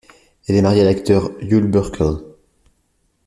Elle est mariée à l'acteur Yul Bürkle.